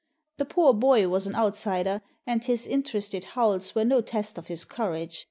The poor boy was an outsider, and his interested howls were no test of his courage.